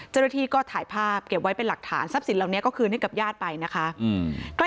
เจ้าหน้าที่ก็ถ่ายภาพเก็บไว้เป็นหลักฐานทรัพย์สินเหล่านี้ก็คืนให้กับญาติไปนะคะ